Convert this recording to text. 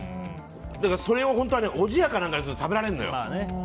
それをおじやか何かにすると食べられるのよ。